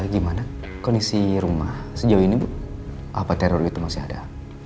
gimana kondisi rumah sejauh ini bu apa teror itu masih ada